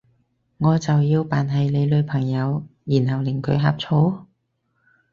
我就要扮係你女朋友，然後令佢呷醋？